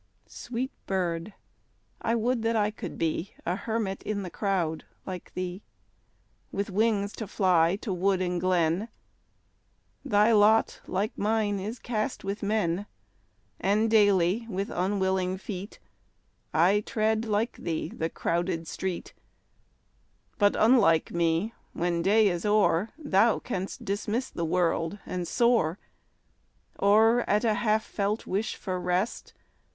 a (89) Sweet bird ! I would that I could be A hermit in the crowd like thee ! With wings to fly to wood and glen, Thy lot, like mine, is .cast with men; And daily, with unwilling feet, 1 tread, like thee, the crowded street ; But, unlike me, when day is o'er. Thou canst dismiss the world and soar, Or, at a half felt wish for rest.